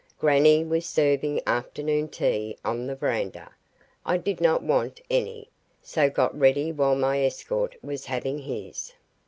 Grannie was serving afternoon tea on the veranda. I did not want any, so got ready while my escort was having his.